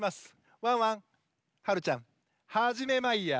ワンワンはるちゃんはじめマイヤー。